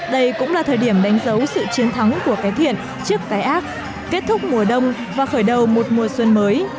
đây cũng là thời điểm đánh dấu sự chiến thắng của cái thiện trước cái ác kết thúc mùa đông và khởi đầu một mùa xuân mới